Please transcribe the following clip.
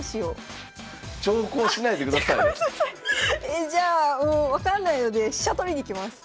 えじゃあもう分かんないので飛車取りにいきます。